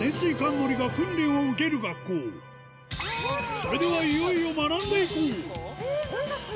それではいよいよ学んでいこう！